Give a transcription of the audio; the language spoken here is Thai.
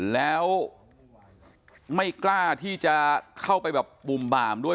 แล้วไม่กล้าที่จะเข้าไปแบบบุ่มบามด้วย